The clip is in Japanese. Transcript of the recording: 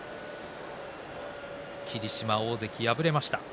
霧島大関、敗れました。